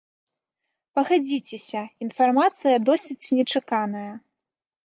Пагадзіцеся, інфармацыя досыць нечаканая.